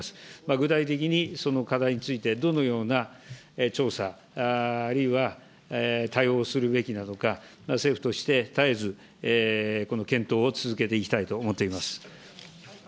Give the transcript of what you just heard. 具体的に、その課題についてどのような調査、あるいは対応をするべきなのか、政府として絶えずこの検討を続けていきたいと思っています。